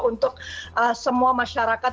untuk semua masyarakat